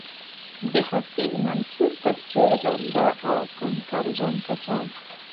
د حفیظ منصور په څېر ړانده او کڼ کرکجن کسان.